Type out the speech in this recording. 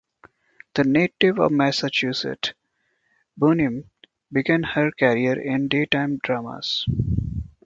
A native of Massachusetts, Bunim began her career in daytime dramas.